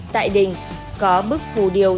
tại đình có bức phù điêu